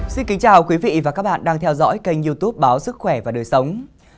chào mừng quý vị đến với kênh youtube báo sức khỏe và đời sống